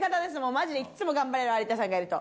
まじでいっつも頑張れる、有田さんがいると。